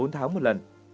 bốn tháng một lần